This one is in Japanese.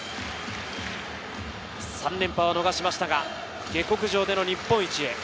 ３連覇を逃しましたが下剋上での日本一へ。